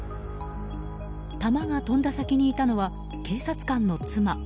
弾が飛んだ先にいたのは警察官の妻。